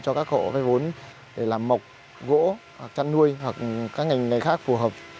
cho các hộ vay vốn để làm mộc gỗ chăn nuôi hoặc các ngành này khác phù hợp